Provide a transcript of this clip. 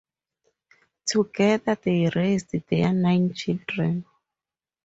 Together they raised their nine children.